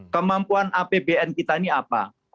kemampuan apbn kita ini apa